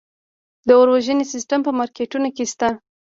د اور وژنې سیستم په مارکیټونو کې شته؟